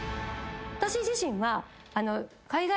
私自身は。